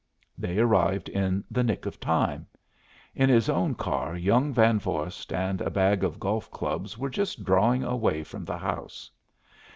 They arrived in the nick of time. In his own car young Van Vorst and a bag of golf clubs were just drawing away from the house.